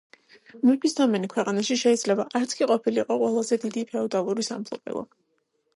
მეფის დომენი ქვეყანაში შეიძლება არც კი ყოფილიყო ყველაზე დიდი ფეოდალური სამფლობელო.